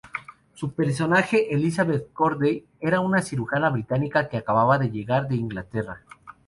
Su personaje, Elizabeth Corday era una cirujana británica que acababa de llegar de Inglaterra.